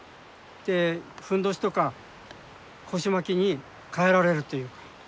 でふんどしとか腰巻きに替えられるという。